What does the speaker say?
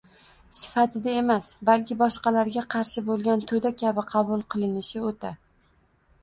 sifatida emas, balki boshqalarga qarshi bo‘lgan to‘da kabi qabul qilinishi o‘ta